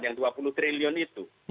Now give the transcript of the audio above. yang dua puluh triliun itu